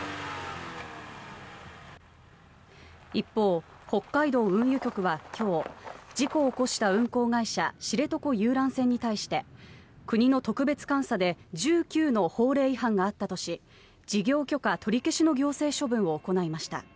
一方、北海道運輸局は今日事故を起こした運航会社知床遊覧船に対して国の特別監査で１９の法令違反があったとし事業許可取り消しの行政処分を行いました。